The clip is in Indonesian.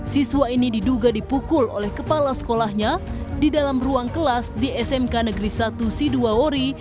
siswa ini diduga dipukul oleh kepala sekolahnya di dalam ruang kelas di smk negeri satu siduawori